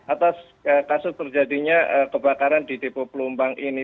atas kasus terjadinya kebakaran di depo pelumpang ini